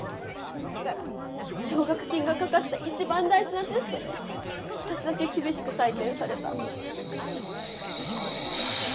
だから奨学金がかかった一番大事なテストで私だけ厳しく採点された。